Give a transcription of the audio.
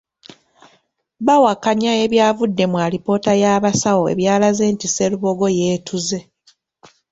Bawakanya ebyavudde mu alipoota y’abasawo ebyalaze nti Sserubogo yeetuze.